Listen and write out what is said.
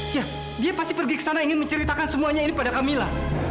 iya dia pasti pergi ke sana ingin menceritakan semuanya ini pada camilla